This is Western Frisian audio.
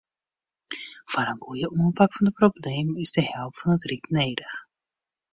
Foar in goeie oanpak fan de problemen is de help fan it ryk nedich.